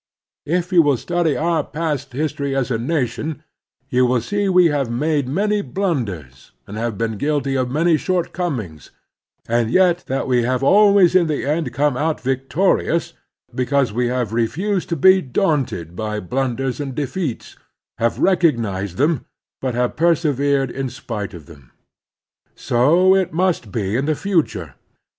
If you will study our past history as a nation you will see we have made many bltmders and have been guilty of many shortcomings, and yet that we have always in the end come out victo rious because we have refused to be daunted by blunders and defeats, have recognized them, but have persevered in spite of them. So it must be in the future.